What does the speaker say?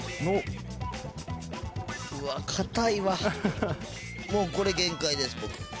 もうこれ限界です僕。